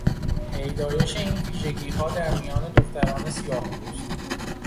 پیدایش این ویژگیها در میان دختران سیاهپوست